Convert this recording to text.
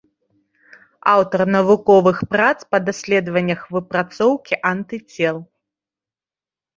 Аўтар навуковых прац па даследаваннях выпрацоўкі антыцел.